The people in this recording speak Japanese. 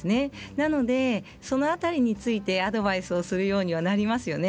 なのでその辺りについてアドバイスをするようにはなりますよね。